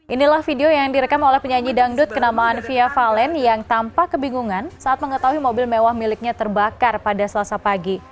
inilah video yang direkam oleh penyanyi dangdut kenamaan fia valen yang tampak kebingungan saat mengetahui mobil mewah miliknya terbakar pada selasa pagi